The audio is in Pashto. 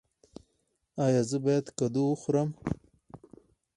ایا زه باید کدو وخورم؟